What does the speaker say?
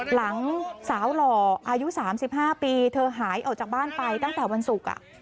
หลังสาวหล่ออายุ๓๕ปีเธอหายออกจากบ้านไปตั้งแต่วันศุกร์